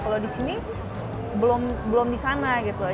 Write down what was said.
kalau di sini belum di sana gitu